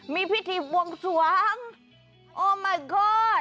มีพิธีปวงสวางโอ้มายก็อด